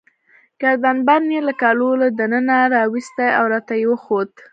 ګردن بند يې له کالو له دننه راوایستی، او راته يې وښود.